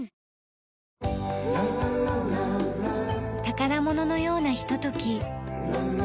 宝物のようなひととき。